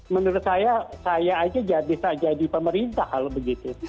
menurut saya saya aja bisa jadi pemerintah kalau begitu